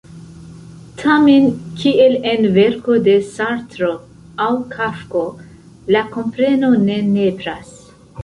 Tamen, kiel en verko de Sartro aŭ Kafko, la kompreno ne nepras.